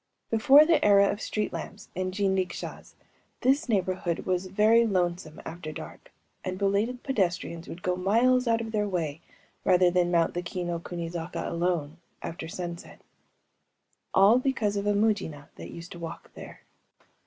Before the era of street lamps and jinrikishas, this neighborhood was very lonesome after dark; and belated pedestrians would go miles out of their way rather than mount the Kii no kuni zaka, alone, after sunset. All because of a Mujina that used to walk there.